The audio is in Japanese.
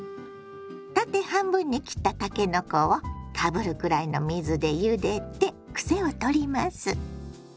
縦半分に切ったたけのこをかぶるくらいの水でゆでてクセを取ります。